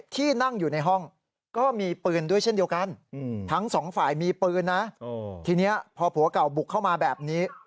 แต่มีปืนนะทีนี้พอผัวเก่าบุกเข้ามาแบบนี้